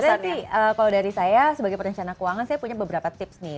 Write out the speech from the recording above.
berarti kalau dari saya sebagai perencana keuangan saya punya beberapa tips nih